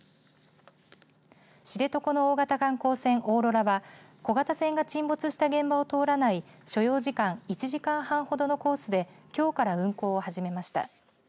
知床の大型観光船おーろらは小型船が沈没した現場を通らない所要時間１時間半ほどのコースできょうから運航を始めました。